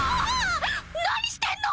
何してんの⁉